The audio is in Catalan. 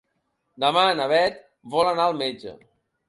Demà na Beth vol anar al metge.